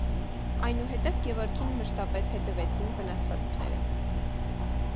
Այնուհետև Գևորգին մշտապես հետևեցին վնասվածքները։